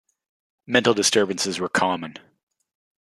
Mental disturbances were common.